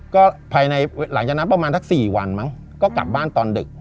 ก็ภายในหลังจากนั้นประมาณสัก๔วันมั้งก็กลับบ้านตอนดึก